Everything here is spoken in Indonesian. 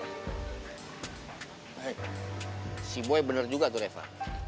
hei si boy bener juga tuh reva